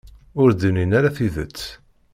Ur d-nnin ara tidet.